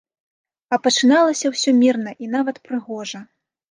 А пачыналася ўсё мірна і нават прыгожа.